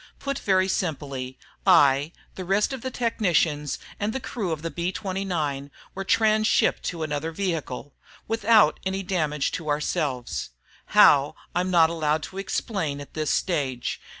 Put very simply, I, the rest of the technicians, and the crew of the B 29 were transhipped to another vehicle without any damage to ourselves. How, I'm not allowed to explain at this stage.